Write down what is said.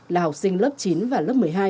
là học sinh lớp chín và lớp một mươi hai